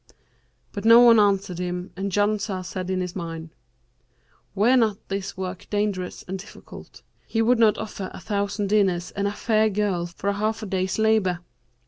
But no one answered him and Janshah said in his mind, 'Were not this work dangerous and difficult, he would not offer a thousand diners and a fair girl for half a day's labour.'